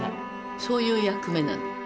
そういう役目なの。